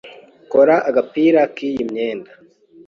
Kora agapira k'iyi myenda.